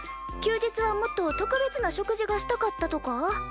休日はもっと特別な食事がしたかったとか？